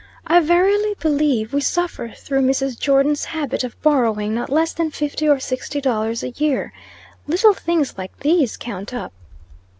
I verily believe we suffer through Mrs. Jordon's habit of borrowing not less than fifty or sixty dollars a year. Little things like these count up."